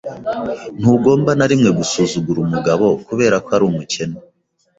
Ntugomba na rimwe gusuzugura umugabo kubera ko ari umukene.